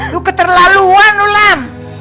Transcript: lu keterlaluan ulam